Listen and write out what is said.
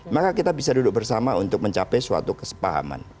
maka kita bisa duduk bersama untuk mencapai suatu kesepahaman